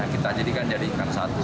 kita jadikan jadikan satu